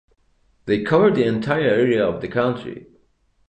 They cover the entire area of the country.